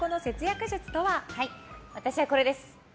私はこれです。